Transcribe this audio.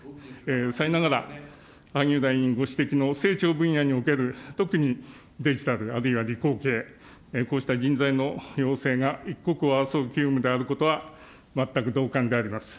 さりながら、萩生田衆議員ご指摘の成長分野における、特にデジタル、あるいは理工系、こうした人材の養成が一刻を争う急務であることは、全く同感であります。